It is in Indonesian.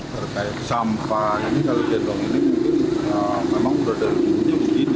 berkait sampah kali gendong ini memang berada di bumi yang sedini